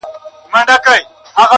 حتماً یې دا شعر هم لوستی دی -